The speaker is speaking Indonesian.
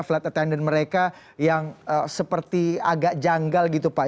flight attendant mereka yang seperti agak janggal gitu pak